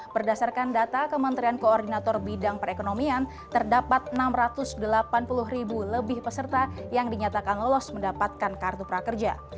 berdasarkan data kementerian koordinator bidang perekonomian terdapat enam ratus delapan puluh ribu lebih peserta yang dinyatakan lolos mendapatkan kartu prakerja